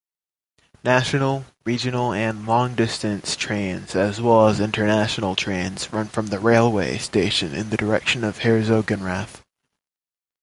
National, regional and long distance trains as well as international trains run from the railway station in the direction of Herzogenrath.